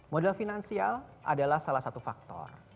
modal finansial adalah salah satu faktor